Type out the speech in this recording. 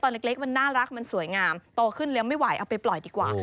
เล็กมันน่ารักมันสวยงามโตขึ้นเลี้ยงไม่ไหวเอาไปปล่อยดีกว่า